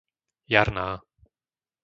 Jarná